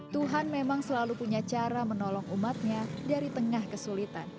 tuhan memang selalu punya cara menolong umatnya dari tengah kesulitan